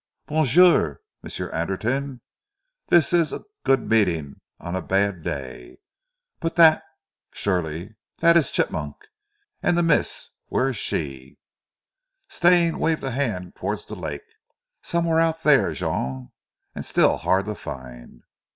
Bo'jour, M'sieu Anderton, dis ees a good meeting on zee bad day! But dat surely dat ees Chigmok? An' zee mees where ees she?" Stane waved a hand towards the lake. "Somewhere out there, Jean, and still to find."